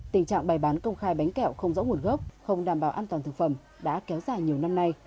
tình trạng bày bán công khai bánh kẹo không rõ nguồn gốc không đảm bảo an toàn thực phẩm đã kéo dài nhiều năm nay